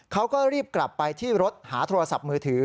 เขาก็รีบกลับไปที่รถหาโทรศัพท์มือถือ